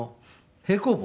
平行棒を。